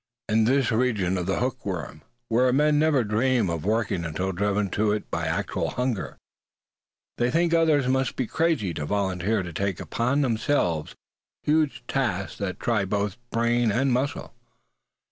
In this region of the hookworm, where men never dream of working until driven to it by actual hunger, they think others must be crazy to voluntarily take upon themselves huge tasks that try both brain and muscle.